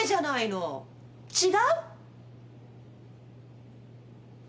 違う？